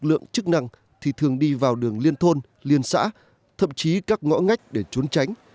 lực lượng chức năng thì thường đi vào đường liên thôn liên xã thậm chí các ngõ ngách để trốn tránh